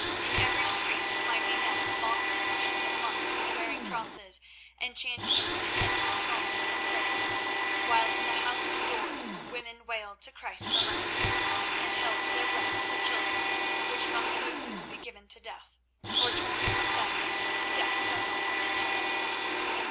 In every street might be met long processions of monks bearing crosses and chanting penitential psalms and prayers, while in the house doors women wailed to Christ for mercy, and held to their breasts the children which must so soon be given to death, or torn from them to deck some Mussulman harem.